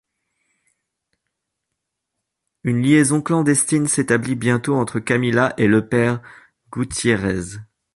Une liaison clandestine s’établit bientôt entre Camila et le Père Gutierrez.